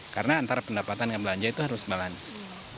karena antara pendapatan dan belanja itu harus balance